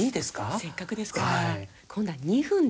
せっかくですから。今度は２分で。